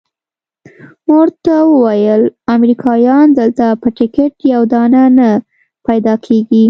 ما ورته وویل امریکایان دلته په ټکټ یو دانه نه پیدا کیږي.